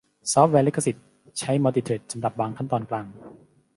ซอฟต์แวร์ลิขสิทธิ์ใช้มัลติเธรดสำหรับบางขั้นตอนกลาง